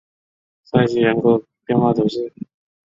塞西人口变化图示